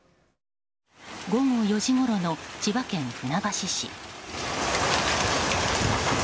午後４時ごろの千葉県船橋市。